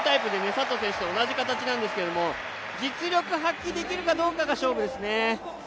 イーブンタイプで佐藤選手と同じ形ですけど実力を発揮できるかどうかが勝負ですね。